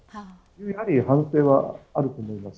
やはり反省はあると思います。